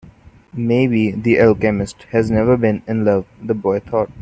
Maybe the alchemist has never been in love, the boy thought.